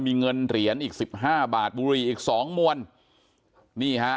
มีเงินเหรียญอีกสิบห้าบาทบุรีอีกสองมวลนี่ฮะ